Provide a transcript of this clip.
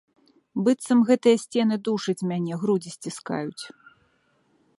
Быццам гэтыя сцены душаць мяне, грудзі сціскаюць.